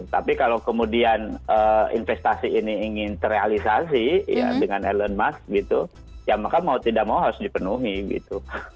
tapi kalau kemudian investasi ini ingin terrealisasi ya dengan elon musk gitu ya maka mau tidak mau harus dipenuhi gitu